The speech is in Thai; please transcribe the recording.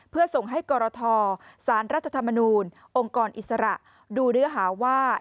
เพื่อส่งให้กรทสารรัฐธรรมนูญองค์กรอิสระดูเนื้อหาว่า